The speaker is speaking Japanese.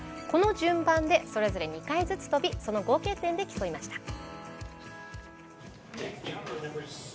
この順番でそれぞれ２回ずつ飛びその合計点で競いました。